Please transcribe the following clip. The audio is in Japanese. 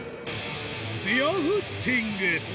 ベアフッティング。